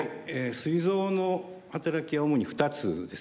すい臓の働きは主に２つですね。